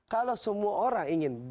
kalau semua orang ingin